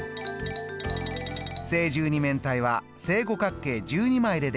正十二面体は正五角形１２枚で出来ています。